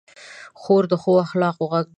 خور د ښو اخلاقو غږ ده.